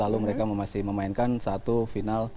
lalu mereka masih memainkan satu final liga eropa